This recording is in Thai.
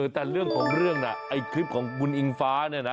แต่เรื่องของเรื่องน่ะไอ้คลิปของคุณอิงฟ้าเนี่ยนะ